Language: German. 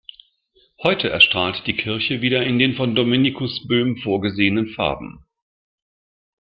Heute erstrahlt die Kirche wieder in den von Dominikus Böhm vorgesehenen Farben.